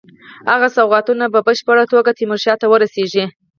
هغه سوغاتونه په بشپړه توګه تیمورشاه ته ورسیږي.